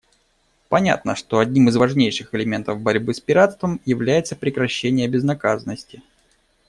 Понятно, что одним из важнейших элементов борьбы с пиратством является прекращение безнаказанности.